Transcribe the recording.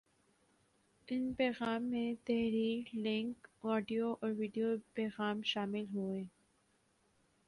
ان پیغام میں تحریر ، لنک ، آڈیو اور ویڈیو پیغام شامل ہو ہیں